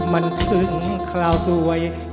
มันขึ้นคราวสวยข้าไม่รู้จะทำอย่างไร